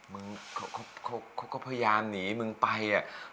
มึงเขาก็พยายามหนีมึงไปอ่ะ